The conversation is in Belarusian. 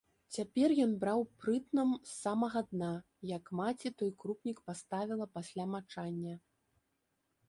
Цяпер ён браў прытном з самага дна, як маці той крупнік паставіла пасля мачання.